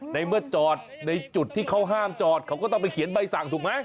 ในเมื่อจอดในจุดที่เขาห้ามจอดเขาก็ต้องไปเขียนใบสั่งถูกไหม